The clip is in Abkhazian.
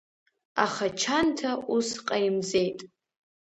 Аха Чанҭа ус ҟаимҵеит.